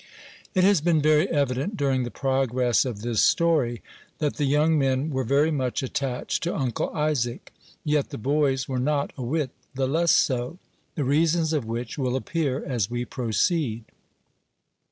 It has been very evident, during the progress of this story, that the young men were very much attached to Uncle Isaac; yet the boys were not a whit the less so; the reasons of which will appear as we proceed.